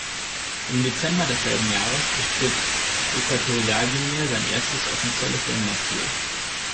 Im Dezember desselben Jahres bestritt Äquatorialguinea sein erstes offizielles Länderspiel.